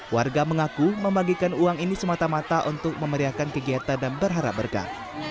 warga mengaku membagikan uang ini semata mata untuk memeriahkan kegiatan dan berharap berkah